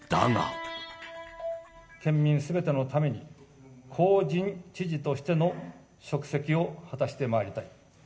県民すべてのために、公人、知事としての職責を果たしてまいりたい。